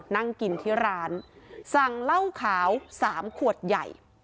นั่งกินที่ร้านสั่งเหล้าขาว๓ขวดใหญ่